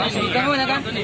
masuk di temen ya kan